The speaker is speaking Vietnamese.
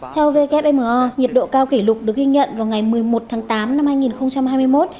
theo wmo nhiệt độ cao kỷ lục được ghi nhận vào ngày một mươi một tháng tám năm hai nghìn hai mươi một